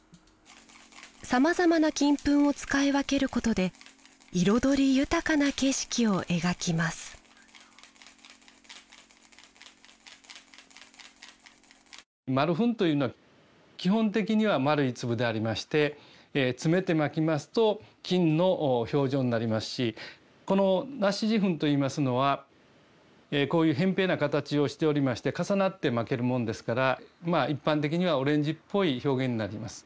さまざまな金粉を使い分けることで彩り豊かな景色を描きます丸粉というのは基本的には丸い粒でありまして詰めて蒔きますと金の表情になりますしこの梨子地粉といいますのはこういうへん平な形をしておりまして重なって蒔けるもんですから一般的にはオレンジっぽい表現になります。